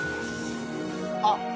あっ！